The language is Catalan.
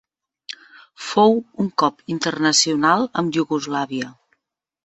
Fou un cop internacional amb Iugoslàvia.